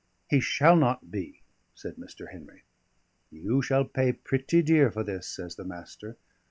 "He shall not be," said Mr. Henry. "You shall pay pretty dear for this," says the Master.